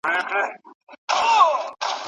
هویت زموږ د پېژندنې نښه ده.